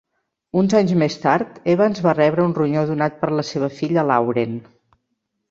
Uns anys més tard, Evans va rebre un ronyó donat per la seva filla Lauren.